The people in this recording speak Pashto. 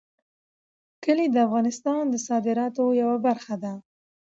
کلي د افغانستان د صادراتو یوه برخه ده.